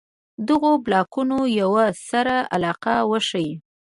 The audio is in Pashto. دغو بلاکونو یوه سره علاقه وښيي.